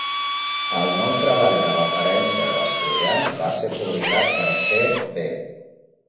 "El nou treball de referència de l'estudiant" va ser publicat per "C. B.